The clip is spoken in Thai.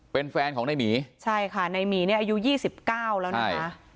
เป็นแฟนของนายหมีใช่ค่ะนายหมีนี่อายุยี่สิบเก้าแล้วนะคะ